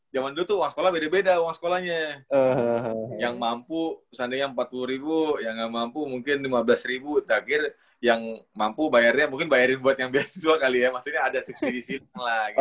zaman dulu tuh uang sekolah beda beda uang sekolahnya yang mampu seandainya empat puluh ribu yang nggak mampu mungkin lima belas ribu terakhir yang mampu bayarnya mungkin bayarin buat yang beasiswa kali ya maksudnya ada subsidi silang lah gitu